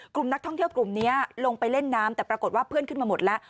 กลุ่มนักท่องเที่ยวกลุ่มนี้ลงไปเล่นน้ำแต่ปรากฏว่าเพื่อนขึ้นมาหมดแล้ว